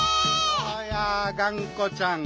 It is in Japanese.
おやがんこちゃん。